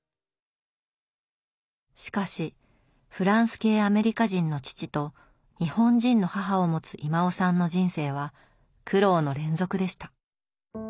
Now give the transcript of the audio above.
しかしフランス系アメリカ人の父と日本人の母を持つ威馬雄さんの人生は苦労の連続でした。